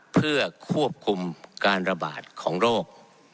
เพื่อควบคุมการระบาดของโรค